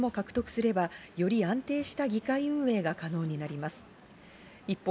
最後の１議席も獲得すれば、より安定した議会運営が可能になります。